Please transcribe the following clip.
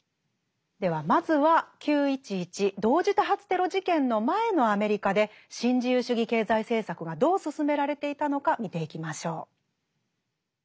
ではまずは９．１１同時多発テロ事件の前のアメリカで新自由主義経済政策がどう進められていたのか見ていきましょう。